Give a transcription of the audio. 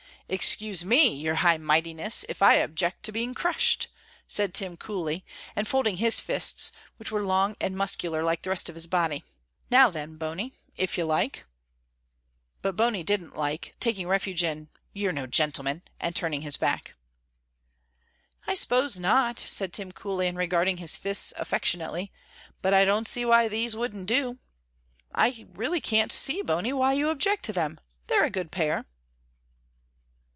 "Excuse me, your high mightiness, if I object to being crushed," said Tim, coolly, and folding his fists, which were long and muscular like the rest of his body. "Now, then, Bony, if you like." But Bony didn't like, taking refuge in, "You're no gentleman," and turning his back. "I suppose not," said Tim, coolly, and regarding his fists affectionately, "but I don't see why these wouldn't do. I really can't see, Bony, why you object to them; they're a good pair."